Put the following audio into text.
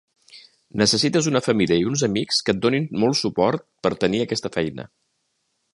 Necessites una família i uns amics que et donin molt suport per tenir aquesta feina.